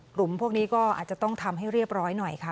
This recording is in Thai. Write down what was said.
กลุ่มพวกนี้ก็อาจจะต้องทำให้เรียบร้อยหน่อยค่ะ